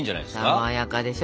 さわやかでしょ。